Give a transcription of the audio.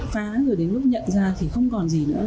phá rồi đến lúc nhận ra thì không còn gì nữa